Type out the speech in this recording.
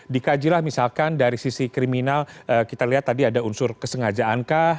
dikajilah misalkan dari sisi kriminal kita lihat tadi ada unsur kesengajaan kah